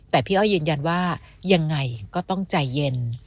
แต่พี่อ้อยยืนยันว่ายังไงก็ต้องใจเย็น